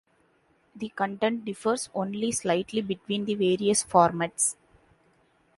The content differs only slightly between the various formats.